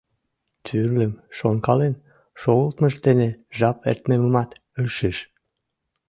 Тӱрлым шонкален шогылтмыж дене жап эртымымат ыш шиж.